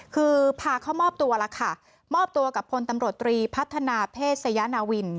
คือพาเข้ามอบตัวแล้วค่ะมอบตัวกับพลตำรวจตรีพัฒนาเพศยนาวิน